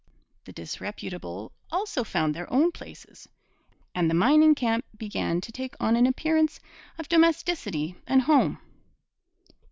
The disreputable also found their own places. And the mining camp began to take on an appearance of domesticity and home.